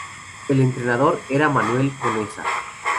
El entrenador era Manuel Conesa.